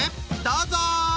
どうぞ！